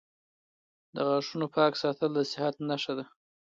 • د غاښونو پاک ساتل د صحت نښه ده.